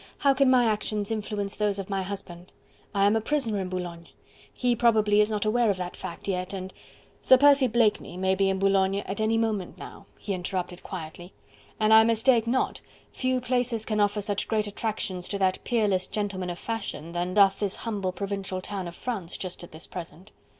"How can my actions influence those of my husband? I am a prisoner in Boulogne: he probably is not aware of that fact yet and..." "Sir Percy Blakeney may be in Boulogne at any moment now," he interrupted quietly. "An I mistake not, few places can offer such great attractions to that peerless gentleman of fashion than doth this humble provincial town of France just at this present....